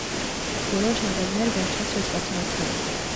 Որոշ նովելներ վերջացրած պատմվածքներ են։